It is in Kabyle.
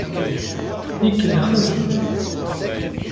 Ikellex-asen.